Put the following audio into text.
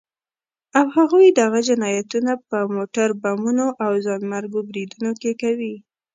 او هغوی دغه جنايتونه په موټر بمونو او ځانمرګو بريدونو کې کوي.